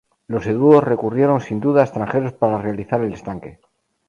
Los heduos recurrieron, sin duda, a extranjeros para realizar el estanque.